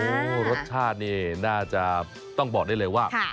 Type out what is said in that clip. โอ้โหรสชาตินี่น่าจะต้องบอกได้เลยว่า